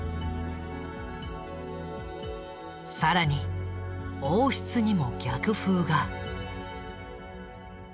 更に王室にも逆風が。